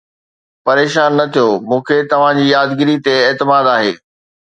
پريشان نه ٿيو، مون کي توهان جي يادگيري تي اعتماد آهي